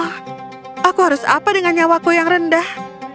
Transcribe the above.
oh aku harus apa dengan nyawaku yang rendah